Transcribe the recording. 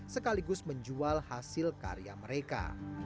sekaligus menjual hasil karya mereka